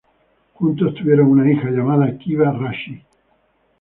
Juntos tuvieron una hija llamada Kiva Rashid.